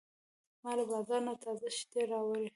ما له بازار نه تازه شیدې راوړې.